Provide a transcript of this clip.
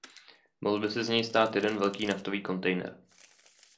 Mohl by se z něj stát jeden velký naftový kontejner.